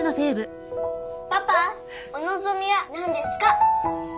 パパお望みは何ですか？